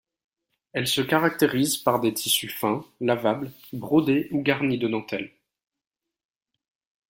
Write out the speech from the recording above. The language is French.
Elle se caractérise par des tissus fins, lavables, brodés ou garnis de dentelles.